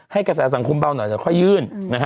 ให้กระแสสังคมเบาหน่อยแต่ค่อยยื่น